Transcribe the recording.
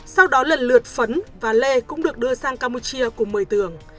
sau đó lần lượt phấn và lê cũng được đưa sang campuchia cùng mười tường